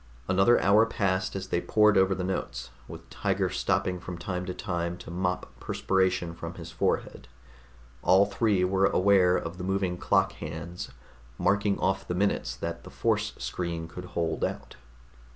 Another hour passed as they pored over their notes, with Tiger stopping from time to time to mop perspiration from his forehead. All three were aware of the moving clock hands, marking off the minutes that the force screen could hold out.